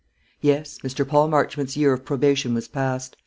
Yes; Mr. Paul Marchmont's year of probation was past.